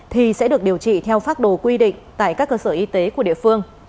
thì sẽ được điều trị theo phác đồ quy định tại các cơ sở y tế của địa phương